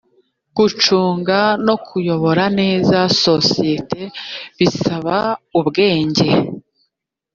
gucunga no kuyobora neza sosiyete bisaba ubwenjye